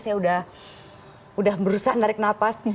saya udah berusaha narik napas